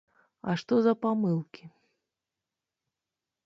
А што за памылкі?